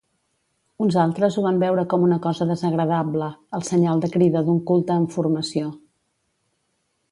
Uns altres ho van veure com una cosa desagradable - el senyal de crida d'un culte en formació.